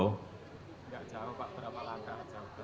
enggak jauh pak berapa langkah